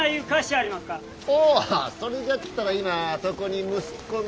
ああそれじゃったら今そこに息子の。